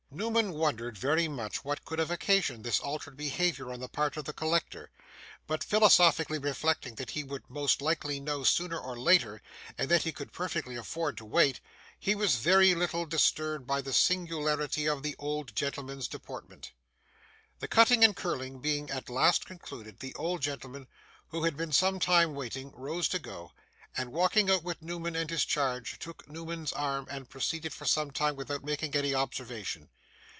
Newman wondered very much what could have occasioned this altered behaviour on the part of the collector; but, philosophically reflecting that he would most likely know, sooner or later, and that he could perfectly afford to wait, he was very little disturbed by the singularity of the old gentleman's deportment. The cutting and curling being at last concluded, the old gentleman, who had been some time waiting, rose to go, and, walking out with Newman and his charge, took Newman's arm, and proceeded for some time without making any observation.